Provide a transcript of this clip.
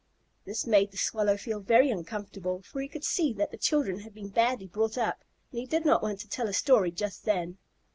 This made the Swallow feel very uncomfortable, for he could see that the children had been badly brought up, and he did not want to tell a story just then.